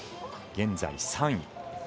現在３位。